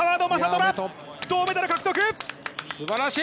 虎、銅メダル獲得！